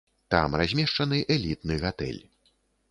Там размешчаны элітны гатэль.